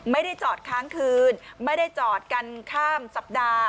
ไม่ได้จอดค้างคืนไม่ได้จอดกันข้ามสัปดาห์